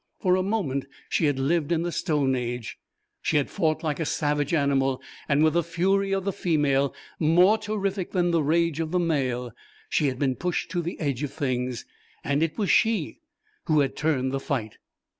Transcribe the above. For a moment she had lived in the Stone Age, she had fought like a savage animal and with the fury of the female, more terrific than the rage of the male. She had been pushed to the edge of things, and it was she who had turned the fight.